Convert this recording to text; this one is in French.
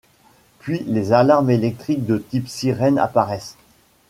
Puis les alarmes électriques de type sirène apparaissent.